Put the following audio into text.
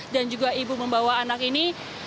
dan juga ibu membawa anak ini